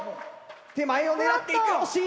手前を狙っていく惜しい！